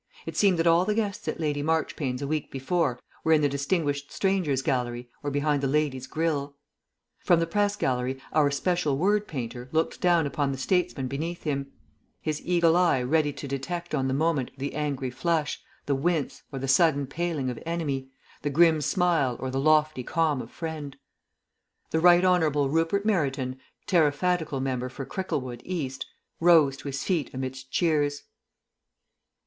It seemed that all the guests at Lady Marchpane's a week before were in the Distinguished Strangers' Gallery or behind the Ladies' Grille. From the Press Gallery "Our Special Word painter" looked down upon the statesmen beneath him, his eagle eye ready to detect on the moment the Angry Flush, the Wince, or the Sudden Paling of enemy, the Grim Smile or the Lofty Calm of friend. The Rt. Hon. Rupert Meryton, Tariffadical Member for Cricklewood (E.) rose to his feet amidst cheers.